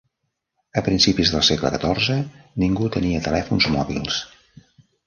A principis del segle XIV, ningú tenia telèfons mòbils.